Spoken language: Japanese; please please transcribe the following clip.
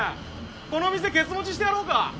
この店ケツ持ちしてやろうか？